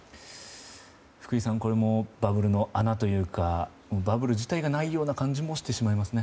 福井さんこれもバブルの穴というかバブル自体がないような感じもしてしまいますね。